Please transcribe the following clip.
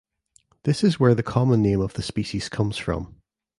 This is where the common name of the species comes from.